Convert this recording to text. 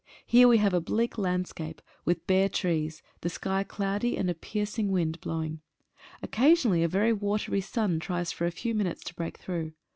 Here we have a bleak landscape, with bare trees, the sky cloudy, and a piercing wind blowing. Occasionally a very watery sun tries for a few minutes to break through.